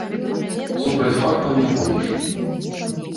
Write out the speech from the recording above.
Супраць фактаў не пойдзеш.